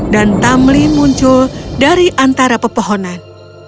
dan tamlin muncul dari antara pepohonan